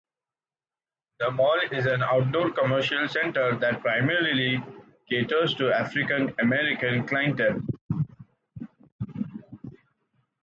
The mall is an outdoor commercial center that primarily caters to African American clientele.